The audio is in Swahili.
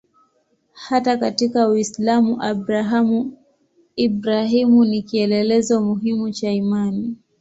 Hata katika Uislamu Abrahamu-Ibrahimu ni kielelezo muhimu cha imani.